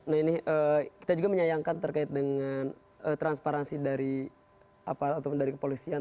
nah ini kita juga menyayangkan terkait dengan transparansi dari kepolisian